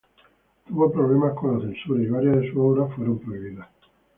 Tuvo problemas con la censura y varias de sus obras fueron prohibidas.